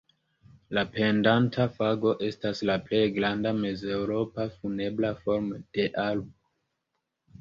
La pendanta fago estas la plej granda mezeŭropa funebra formo de arbo.